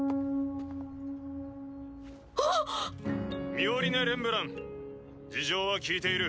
ミオリネ・レンブラン事情は聞いている。